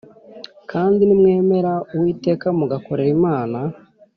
Kandi nimwim ra uwiteka mugakorera imana